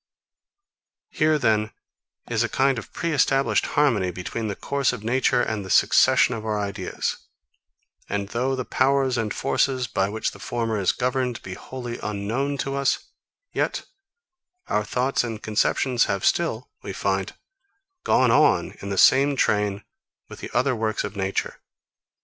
Here, then, is a kind of pre established harmony between the course of nature and the succession of our ideas; and though the powers and forces, by which the former is governed, be wholly unknown to us; yet our thoughts and conceptions have still, we find, gone on in the same train with the other works of nature.